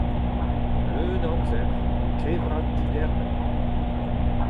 Leun amzer, kevrat didermen.